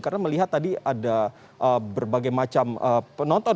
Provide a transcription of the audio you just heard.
karena melihat tadi ada berbagai macam penonton